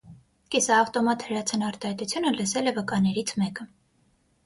«Կիսաավտոմատ հրացան» արտահայտությունը լսել է վկաներից մեկը։